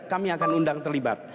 kami akan undang terlibat